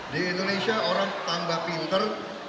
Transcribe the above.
di indonesia orang tambah pinter